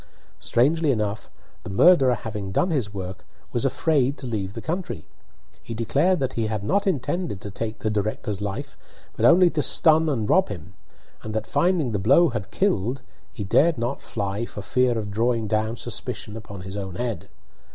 Strangely enough, the murderer having done his work, was afraid to leave the country. He declared that he had not intended to take the director's life, but only to stun and rob him and that, finding the blow had killed, he dared not fly for fear of drawing down suspicion upon his own head.